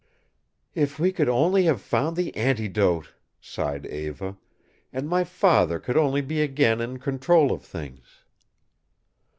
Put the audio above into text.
"If we could only have found the antidote," sighed Eva, "and my father could only be again in control of things."